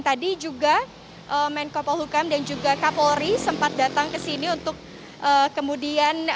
dan tadi juga menko polhukam dan juga kapolri sempat datang ke sini untuk kemudian